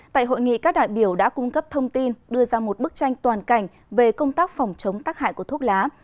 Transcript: tại hội nghị các đại biểu đã cung cấp thông tin đưa ra một bức tranh toàn cảnh về công tác phòng chống tác hại của thuốc lá